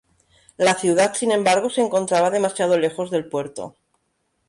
La ciudad, sin embargo, se encontraba demasiado lejos del puerto.